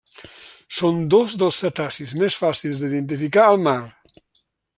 Són dos dels cetacis més fàcils d'identificar al mar.